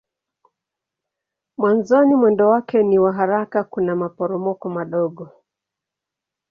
Mwanzoni mwendo wake ni wa haraka kuna maporomoko madogo.